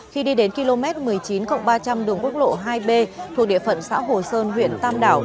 khi đi đến km một mươi chín ba trăm linh đường quốc lộ hai b thuộc địa phận xã hồ sơn huyện tam đảo